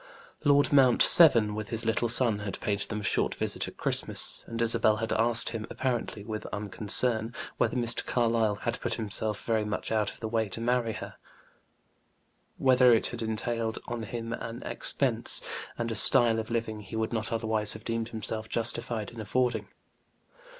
Lord Mount Severn, with his little son, had paid them a short visit at Christmas and Isabel had asked him, apparently with unconcern, whether Mr. Carlyle had put himself very much out to the way to marry her; whether it had entailed on him an expense and a style of living he would not otherwise have deemed himself justified in affording.